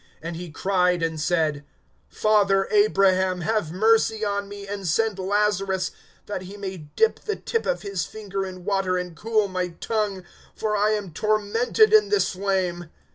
(24)And he cried and said: Father Abraham, have mercy on me, and send Lazarus, that he may dip the tip of his finger in water, and cool my tongue; for I am tormented in this flame.